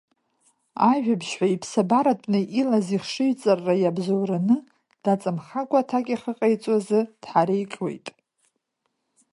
Ажәабжьҳәаҩ иԥсабаратәны илаз ихшыҩҵарра иабзоураны даҵамхакәа аҭак ахьыҟаиҵо азы дҳареикуеит.